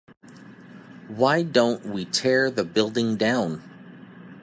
why don't we tear the building down?